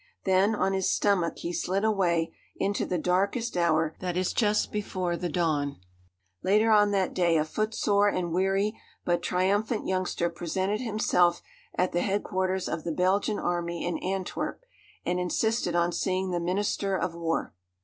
Then, on his stomach, he slid away into the darkest hour that is just before the dawn. Later on that day a footsore and weary but triumphant youngster presented himself at the headquarters of the Belgian Army in Antwerp and insisted on seeing the minister of war.